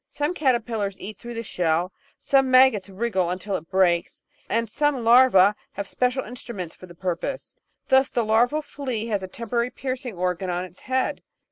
Some caterpillars eat through the shell; some maggots wriggle imtil it breaks; and some larvae have special instruments for the purpose. Thus the larval flea has a temporary piercing organ on its head.